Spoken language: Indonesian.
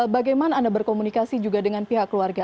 bagaimana anda berkomunikasi juga dengan pihak keluarga